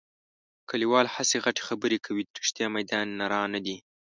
کلیوال هسې غټې خبرې کوي. د رښتیا میدان نران نه دي.